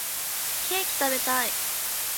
ケーキ食べたい